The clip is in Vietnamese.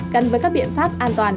căn với các biện pháp an toàn